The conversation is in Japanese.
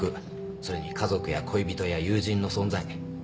それに家族や恋人や友人の存在。